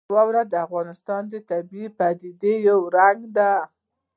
واوره د افغانستان د طبیعي پدیدو یو رنګ دی.